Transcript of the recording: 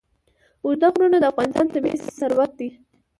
اوږده غرونه د افغانستان طبعي ثروت دی.